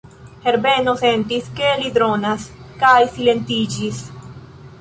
Herbeno sentis, ke li dronas, kaj silentiĝis.